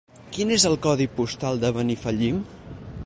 Quin és el codi postal de Benifallim?